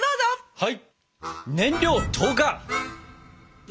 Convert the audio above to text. はい。